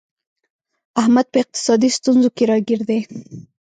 احمد په اقتصادي ستونزو کې راگیر دی